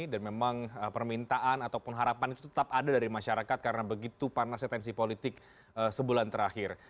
dan memang permintaan ataupun harapan itu tetap ada dari masyarakat karena begitu panasnya tensi politik sebulan terakhir